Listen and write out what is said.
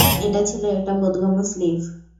এটা ছিল একটা বোধগম্য স্লিপ।